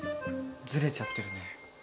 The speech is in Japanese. ずれちゃってるね。